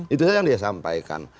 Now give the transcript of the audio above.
itu saja yang dia sampaikan